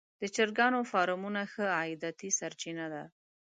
د چرګانو فارمونه ښه عایداتي سرچینه ده.